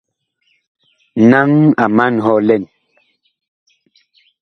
Naŋ a man hɔ lɛn.